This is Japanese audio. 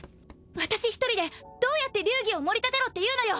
私一人でどうやって流儀をもり立てろっていうのよ！